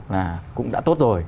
là cũng đã tốt rồi